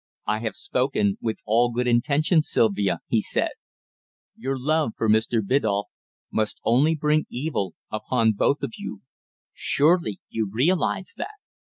"I have spoken with all good intention, Sylvia," he said. "Your love for Mr. Biddulph must only bring evil upon both of you. Surely you realize that?"